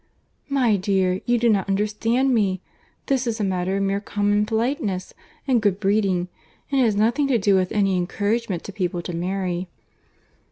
"My dear, you do not understand me. This is a matter of mere common politeness and good breeding, and has nothing to do with any encouragement to people to marry."